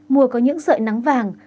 mùa có những sợi nắng vàng